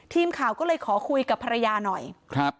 ทีมข่าวก็เลยขอคุยกับภรรยาหน่อยครับ